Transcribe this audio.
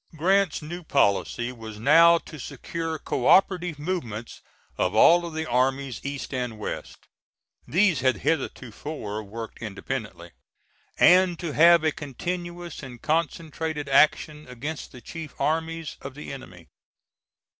Grant's new policy was now to secure co operative movements of all the armies East and West these had heretofore worked independently and to have a continuous and concentrated action against the chief armies of the enemy.